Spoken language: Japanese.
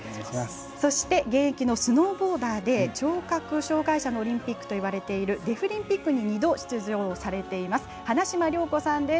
そして、現役のスノーボーダーで聴覚障がい者のオリンピックといわれているデフリンピックに２度出場されています花島良子さんです。